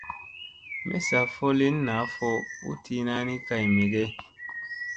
Messa fo lin naa fo u tiina ni kay me ge ?